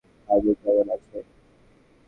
আম্মু কেমন আছে?